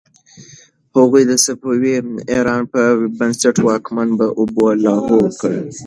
هغوی د صفوي ایران بې بنسټه واکمني په اوبو لاهو کړه.